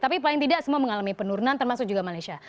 tapi paling tidak semua mengalami penurunan termasuk juga malaysia